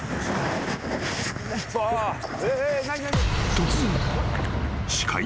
［突然］